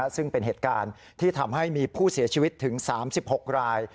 ซึ่งเป็นเหตุการณ์ที่ทำให้มีผู้เสียชีวิตถึง๓๖ราย